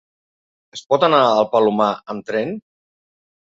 Es pot anar al Palomar amb tren?